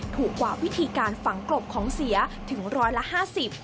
ถูกกว่าวิธีการฝังกลบของเสียถึงร้อยละห้าสิบ